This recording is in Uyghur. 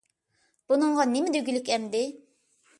بۇنىڭغا نېمە دېگۈلۈك ئەمدى!